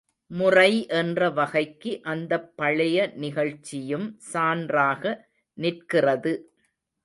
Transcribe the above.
முறை என்ற வகைக்கு அந்தப் பழைய நிகழ்ச்சியும் சான்றாக நிற்கிறது.